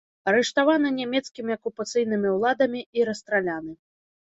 Арыштаваны нямецкімі акупацыйнымі ўладамі і расстраляны.